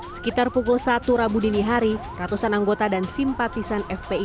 sekitar pukul satu rabu dini hari ratusan anggota dan simpatisan fpi